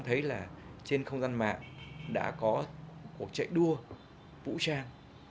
tôi nghĩ là trên không gian mạng đã có cuộc chạy đua vũ trang